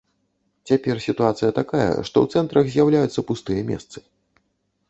Цяпер сітуацыя такая, што ў цэнтрах з'яўляюцца пустыя месцы.